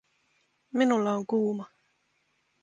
Minulla on kuuma